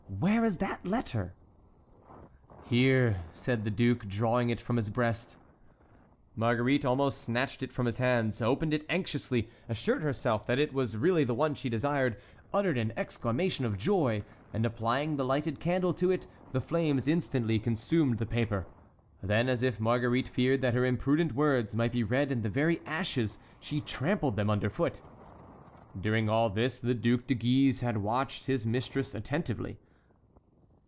Where is that letter?" "Here," said the duke, drawing it from his breast. Marguerite almost snatched it from his hands, opened it anxiously, assured herself that it was really the one she desired, uttered an exclamation of joy, and applying the lighted candle to it, the flames instantly consumed the paper; then, as if Marguerite feared that her imprudent words might be read in the very ashes, she trampled them under foot. During all this the Duc de Guise had watched his mistress attentively.